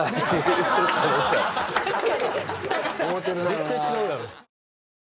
絶対違うやろ。